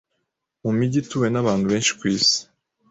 mu mijyi ituwe n’abantu benshi kw’isi